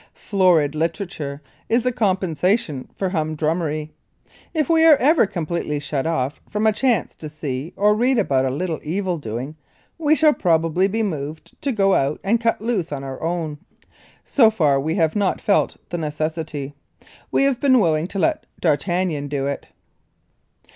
Florid literature is the compensation for humdrummery. If we are ever completely shut off from a chance to see or read about a little evil doing we shall probably be moved to go out and cut loose on our own. So far we have not felt the necessity. We have been willing to let D'Artagnan do it.